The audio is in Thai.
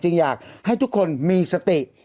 อยากให้ทุกคนมีสติ